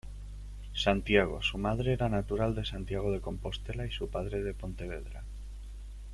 Santiago Su madre era natural de Santiago de Compostela y su padre de Pontevedra.